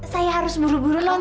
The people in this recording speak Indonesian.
saya harus buru buru non